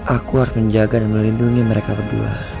aku harus menjaga dan melindungi mereka berdua